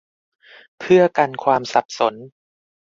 เพื่อกันความสับสน